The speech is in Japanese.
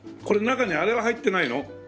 これ中にあれは入ってないの？